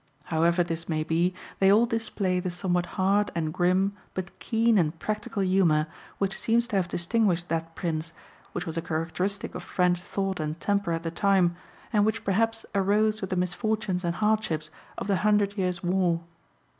However this may be, they all display the somewhat hard and grim but keen and practical humour which seems to have distinguished that prince, which was a characteristic of French thought and temper at the time, and which perhaps arose with the misfortunes and hardships of the Hundred Years' War.